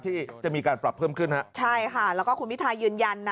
ที่จะมีการปรับเพิ่มขึ้นฮะใช่ค่ะแล้วก็คุณพิทายืนยันนะ